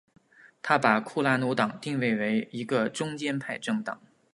他把库拉努党定位为一个中间派政党。